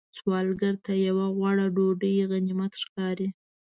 سوالګر ته یو غوړه ډوډۍ غنیمت ښکاري